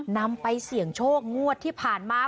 นำไปเสี่ยงโชคงวดที่ผ่านมา